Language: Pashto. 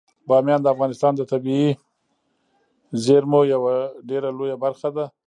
بامیان د افغانستان د طبیعي زیرمو یوه ډیره لویه برخه ده.